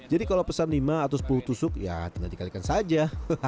jadi kalau pesan lima atau sepuluh tusuk ya tinggal dikalikan saja